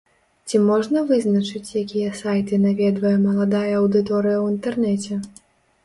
Ці можна вызначыць, якія сайты наведвае маладая аўдыторыя ў інтэрнэце?